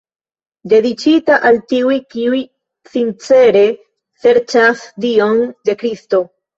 Dediĉita al tiuj, kiuj sincere serĉas Dion de Kristo.